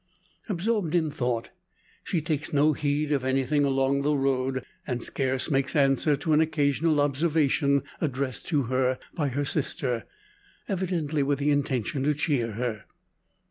Absorbed in thought, she takes no heed of anything along the road; and scarce makes answer to an occasional observation addressed to her by her sifter, evidently with the intention to cheer her.